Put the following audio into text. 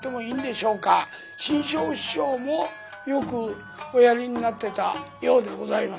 志ん生師匠もよくおやりになってたようでございます。